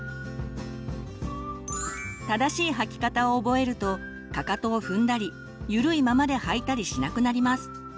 正しい履き方を覚えるとかかとを踏んだりゆるいままで履いたりしなくなります。